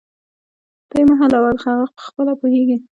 ته یې مه حلوه، هغه خپله پوهیږي